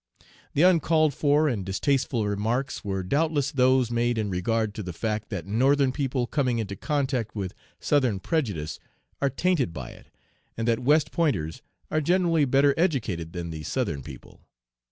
"The 'uncalled for and distasteful' remarks were doubtless those made in regard to the fact that Northern people coming into contact with Southern prejudice are tainted by it, and that West Pointers are generally better educated than the Southern people.